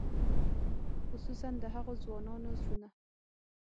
خصوصاً د هغو ځوانانو زړونه.